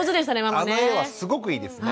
あの絵はすごくいいですね。